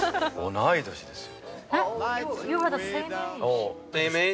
同い年ですよ。